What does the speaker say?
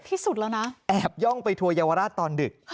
ที่สุดแล้วนะแอบย่องไปทัวร์เยาวราชตอนดึก